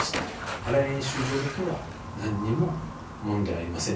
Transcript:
新屋演習場だけは何にも問題ありません。